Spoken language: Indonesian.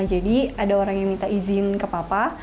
jadi ada orang yang minta izin ke papa